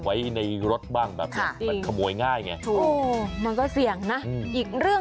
ไว้ในรถบ้างแบบค่ะแบบขโมยง่ายไงโอ้มันก็เสี่ยงนะอืม